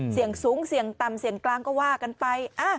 เสี่ยงสูงเสี่ยงต่ำเสี่ยงกลางก็ว่ากันไป